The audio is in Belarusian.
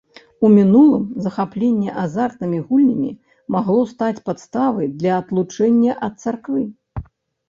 У мінулым захапленне азартнымі гульнямі магло стаць падставай для адлучэння ад царквы.